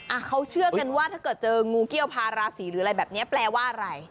อ่ะเขาเชื่อกันว่าถ้าเกิดเจองูเกี้ยวพาราศีหรืออะไรแบบเนี้ยแปลว่าอะไร